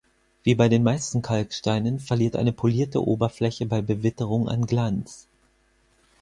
Wie bei den meisten Kalksteinen verliert eine polierte Oberfläche bei Bewitterung an Glanz.